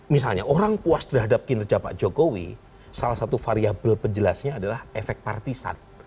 misalnya orang puas terhadap kinerja pak jokowi salah satu variable penjelasnya adalah efek partisan